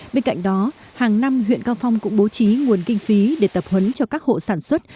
bên cạnh đó hàng năm huyện cao phong cũng bố trí nguồn kinh phí để tập huấn cho các hộ sản xuất